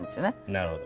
なるほど。